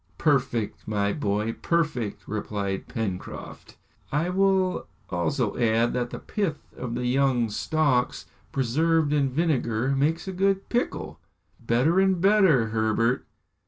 "Perfect, my boy, perfect!" replied Pencroft. "I will also add that the pith of the young stalks, preserved in vinegar, makes a good pickle." "Better and better, Herbert!"